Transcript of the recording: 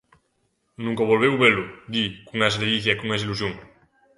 Nunca volveu velo, di, con esa ledicia e con esa ilusión.